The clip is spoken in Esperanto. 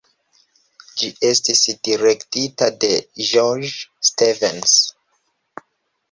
Ĝi estis direktita de George Stevens.